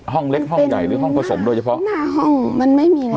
ห้องเล็กห้องใหญ่หรือห้องผสมโดยเฉพาะหน้าห้องมันไม่มีเลย